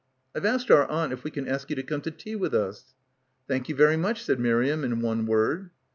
"I've asked our aunt if we can ask you to come to tea with us." "Thank you very much," said Miriam in one word.